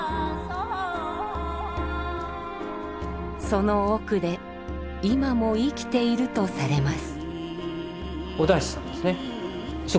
その奥で今も生きているとされます。